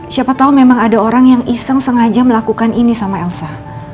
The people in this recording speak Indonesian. siapa tahu memang ada orang yang iseng sengaja melakukan ini sama elsa